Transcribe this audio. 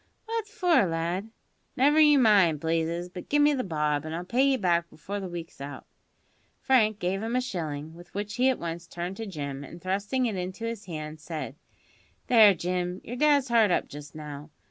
"What for, lad?" "Never you mind, Blazes; but give me the bob, an' I'll pay you back before the week's out." Frank gave him a shilling, with which he at once returned to Jim, and thrusting it into his hand, said: "There, Jim, your dad's hard up just now.